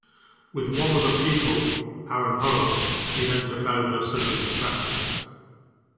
With one other pupil, Aaron Hurrill, he then took over Sugden's practice.